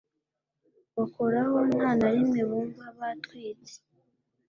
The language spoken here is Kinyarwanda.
Bakoraho nta na rimwe bumva batwitse